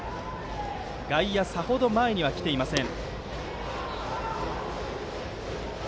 外野はさほど前には来ていません。